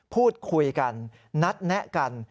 พูดคุยกันนัดแนะกัน